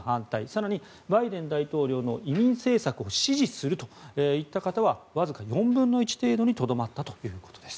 更にバイデン大統領の移民政策を支持するといった方はわずか４分の１程度にとどまったということです。